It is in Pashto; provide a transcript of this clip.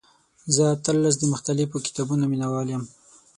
زه اتلس د مختلفو کتابونو مینوال یم.